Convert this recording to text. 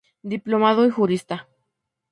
Diplomado y jurista.